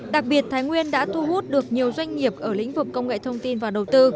đặc biệt thái nguyên đã thu hút được nhiều doanh nghiệp ở lĩnh vực công nghệ thông tin và đầu tư